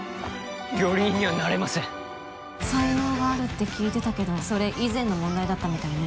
料理人にはなれません才能があるって聞いてたけどそれ以前の問題だったみたいね